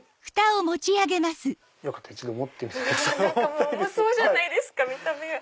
重そうじゃないですか見た目が。